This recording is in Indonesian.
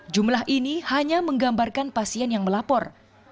jumlah ini hanya menggambarkan pasien yang melapor